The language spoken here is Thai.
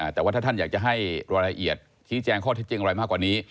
แต่ว่าถ้าท่านอยากจะให้รายละเอียดชี้แจงข้อเท็จจริงอะไรมากกว่านี้